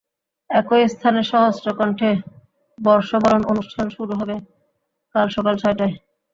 একই স্থানে সহস্র কণ্ঠে বর্ষবরণ অনুষ্ঠান শুরু হবে কাল সকাল ছয়টায়।